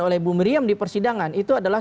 oleh bu meriam di persidangan itu adalah